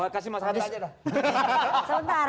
kasih mas hadi aja dah